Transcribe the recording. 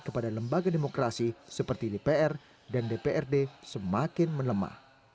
kepada lembaga demokrasi seperti dpr dan dprd semakin melemah